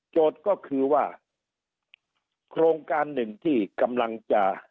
ก็คือว่าโครงการหนึ่งที่กำลังจะ